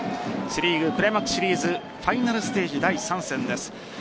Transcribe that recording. セ・リーグクライマックスシリーズファイナルステージ第３戦です。